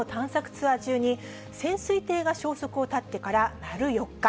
ツアー中に、潜水艇が消息を絶ってから丸４日。